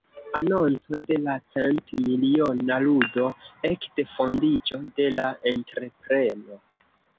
Anonco de la cent-miliona ludo ekde fondiĝo de la entrepreno.